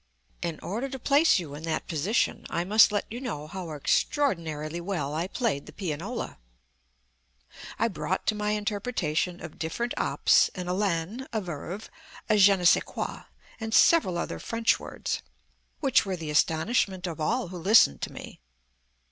In order to place you in that position I must let you know how extraordinarily well I played the pianola. I brought to my interpretation of different Ops an élan, a verve, a je ne sais quoi and several other French words which were the astonishment of all who listened to me.